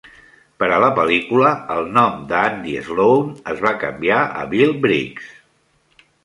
Per a la pel·lícula, el nom de "Andy Sloane" es va canviar a "Bill Briggs".